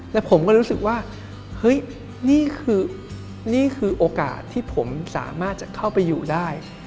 และผมก็รู้สึกว่านี่คือโอกาสที่ผมสามารถจะเข้าไปอยู่ได้